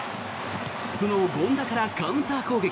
その権田からカウンター攻撃。